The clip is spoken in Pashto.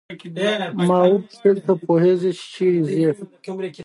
ما وپوښتل ته پوهیږې چې چیرې ځې.